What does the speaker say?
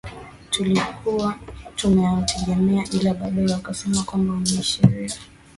tulikuwa tumeutegemea ila baadaye wakasema kwamba wameahirisha